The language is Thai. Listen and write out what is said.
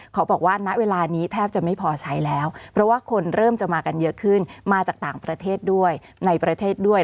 เขาบอกว่าณเวลานี้แทบจะไม่พอใช้แล้วเพราะว่าคนเริ่มจะมากันเยอะขึ้นมาจากต่างประเทศด้วยในประเทศด้วย